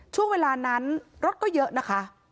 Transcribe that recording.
ช่วงเวลานั้นรถก็เยอะนะคะ